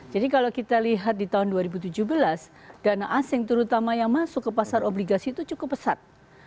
jadi kalau kita lihat di tahun dua ribu tujuh belas dana asing terutama yang masuk ke pasar obligasi itu cukup besar